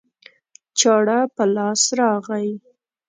چاړه په لاس راغی